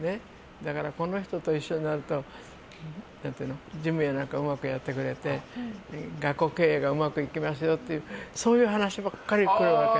だから、この人と一緒になると事務やなんかうまくやってくれて学校経営がうまくいきますよとかそういう話ばっかり来るわけ。